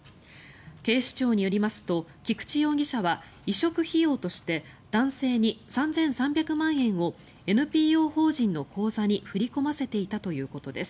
警視庁によりますと菊池容疑者は移植費用として男性に３３００万円をＮＰＯ法人の口座に振り込ませていたということです。